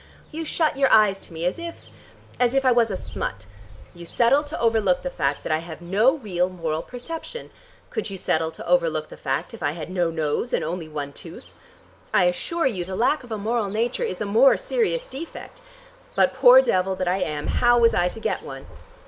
You shut your eyes to me, as if as if I was a smut! You settle to overlook the fact that I have no real moral perception. Could you settle to overlook the fact if I had no nose and only one tooth? I assure you the lack of a moral nature is a more serious defect. But, poor devil that I am, how was I to get one?